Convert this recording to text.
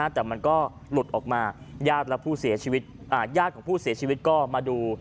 แต่มันก็หลุดออกมาญาติและผู้เสียชีวิตญาติของผู้เสียชีวิตก็มาดู